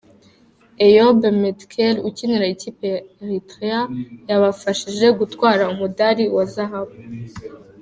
Eyob Metkel ukinira ikipe ya Erythrea yabafashije gutwara umudali wa Zahabu.